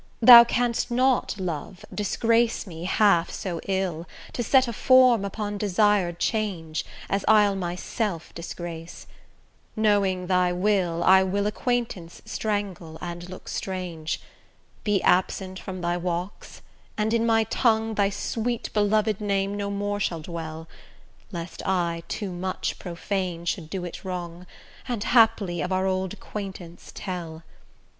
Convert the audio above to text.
Thou canst not love disgrace me half so ill, To set a form upon desired change, As I'll myself disgrace; knowing thy will, I will acquaintance strangle, and look strange; Be absent from thy walks; and in my tongue Thy sweet beloved name no more shall dwell, Lest I, too much profane, should do it wrong, And haply of our old acquaintance tell.